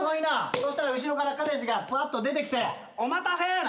そしたら後ろから彼氏がぷらっと出てきて「お待たせ」な。